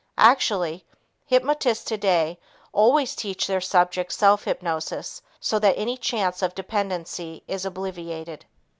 Actually, hypnotists today always teach their subjects self hypnosis so that any chance of dependency is obviated.